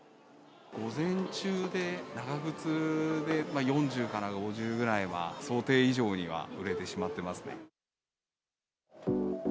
午前中で長靴で４０から５０ぐらいは、想定以上には売れてしまってますね。